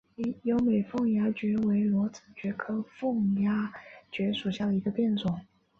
优美凤丫蕨为裸子蕨科凤丫蕨属下的一个变种。